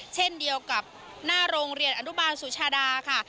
เช่นเดียวกับหน้าโรงเรียนอนุบาลสุชาดาค่ะ